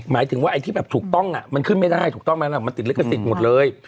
หมายถึงว่าไอ้ที่แบบถูกต้องมันขึ้นไม่ได้ถูกต้องไหมล่ะมันติดลิขสิทธิ์หมดเลย